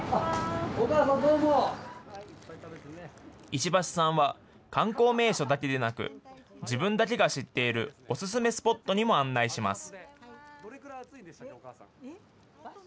石橋さんは、観光名所だけでなく、自分だけが知っているお勧めスポットにも案内します。